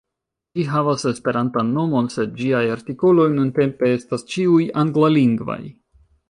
Ĝi havas Esperantan nomon, sed ĝiaj artikoloj nuntempe estas ĉiuj anglalingvaj.